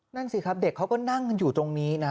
นั่นสิครับเด็กเขาก็นั่งกันอยู่ตรงนี้นะ